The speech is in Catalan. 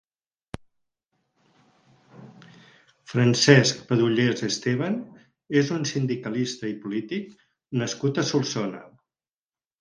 Francesc Padullés Esteban és un sindicalista i polític nascut a Solsona.